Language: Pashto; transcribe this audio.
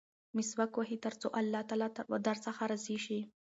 مسواک ووهئ ترڅو الله تعالی درڅخه راضي شي.